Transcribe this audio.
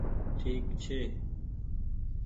ٺيڪ ڇي۔